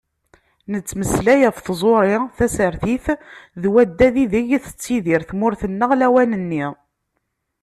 Nettmeslay ɣef tẓuri, tasertit d waddad ideg tettidir tmurt-nneɣ lawan-nni.